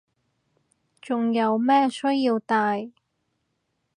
仲有咩需要戴